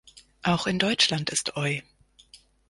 Auch in Deutschland ist Oi!